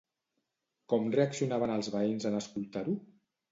Com reaccionaven els veïns en escoltar-ho?